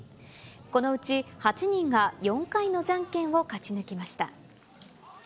このうち８人が４回のじゃんけんを勝ち抜きました。